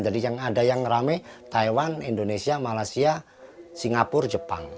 jadi yang ada yang rame taiwan indonesia malaysia singapura jepang